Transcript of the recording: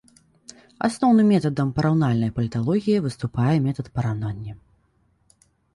Асноўным метадам параўнальнай паліталогіі выступае метад параўнання.